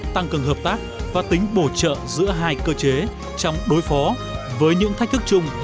tăng cường hợp tác và tính bổ trợ giữa hai cơ chế trong đối phó với những thách thức chung